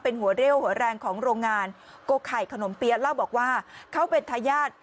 เป็นหัวเรี่ยวหัวแรงของโรงงานโกไข่ขนมเปี๊ยะเล่าบอกว่าเขาเป็นทายาท